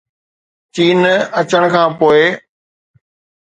چين اچڻ کان پوءِ